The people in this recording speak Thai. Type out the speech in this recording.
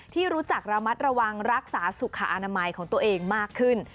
ที่รู้จักระมัดระวังรักษาสุขอนามัยของตัวเองมากขึ้น